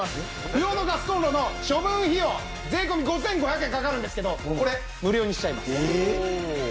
不要のガスコンロの処分費用税込５５００円かかるんですけどこれ無料にしちゃいます。